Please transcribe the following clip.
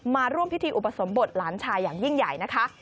มาร่วมพิธีอุปสมบทหลานชายอย่างยิ่งใหญ่นะคะ